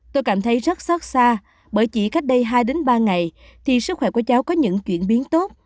tôi cảm thấy rất xót xa bởi chỉ cách đây hai ba ngày thì sức khỏe của cháu có những chuyển biến tốt